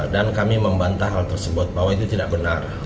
dan kami membantah hal tersebut bahwa itu tidak benar